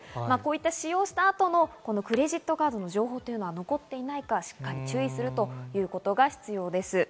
使用した後のクレジットカードの情報は残っていないか、しっかり注意するということが必要です。